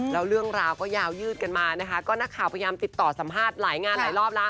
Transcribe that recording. แล้วเรื่องราวก็ยาวยืดกันมานะคะก็นักข่าวพยายามติดต่อสัมภาษณ์หลายงานหลายรอบแล้ว